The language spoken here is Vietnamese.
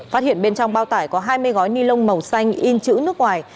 phát hiện bên trong bao tải có hai mươi gói ni lông màu xanh in chữ nước ngoài